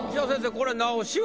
これ直しは？